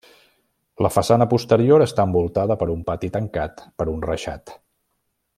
La façana posterior està envoltada per un pati tancat per un reixat.